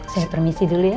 saya permisi dulu ya